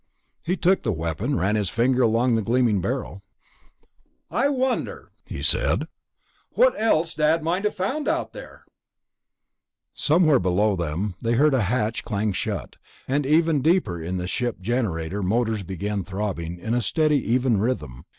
He took the weapon, ran his finger along the gleaming barrel. "I wonder," he said, "what else Dad might have found out there." Somewhere below them they heard a hatch clang shut, and even deeper in the ship generator motors began throbbing in a steady even rhythm.